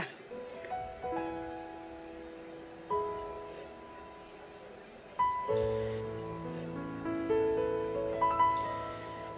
ไม่ผิดจ้ะ